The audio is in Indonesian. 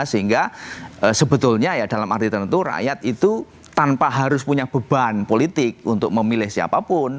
sehingga sebetulnya ya dalam arti tentu rakyat itu tanpa harus punya beban politik untuk memilih siapapun